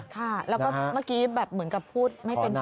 ค่ะแล้วก็เมื่อกี้แบบเหมือนกับพูดไม่เป็นผล